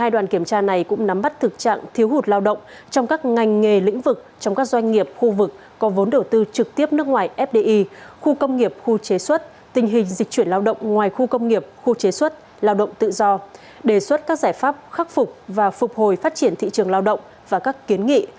đoàn kiểm tra này cũng nắm bắt thực trạng thiếu hụt lao động trong các ngành nghề lĩnh vực trong các doanh nghiệp khu vực có vốn đầu tư trực tiếp nước ngoài fdi khu công nghiệp khu chế xuất tình hình dịch chuyển lao động ngoài khu công nghiệp khu chế xuất lao động tự do đề xuất các giải pháp khắc phục và phục hồi phát triển thị trường lao động và các kiến nghị